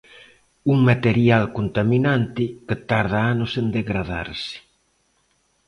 Un material contaminante que tarda anos en degradarse.